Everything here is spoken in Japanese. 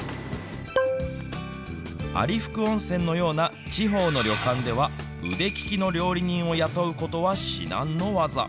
有福温泉のような地方の旅館では、腕利きの料理人を雇うことは至難の業。